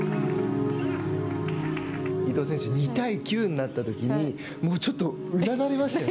伊藤選手、２対９になったときにもうちょっとうなだれていましたよね。